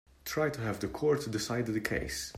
Try to have the court decide the case.